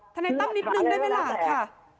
ถ้าในตั้งนิดนึงได้เวลาค่ะ